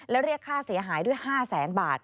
แล้วเรียกค่าเสียหายด้วย๕แสนบาท